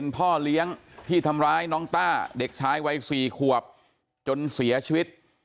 พ่อเลี้ยงที่ทำร้ายน้องต้าเด็กชายวัย๔ขวบจนเสียชีวิต